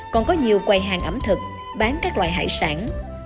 còn có nhiều quầy hàng ẩm thực bán các loại hải sản